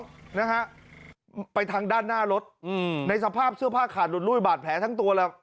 ขับทิวหนึ่งนะครับไปทางด้านหน้ารถในสภาพเสื้อผ้าขาดหลุดลุยบาดแผลทั้งตัวละ